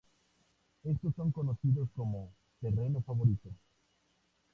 Estos son conocidos como "Terreno Favorito".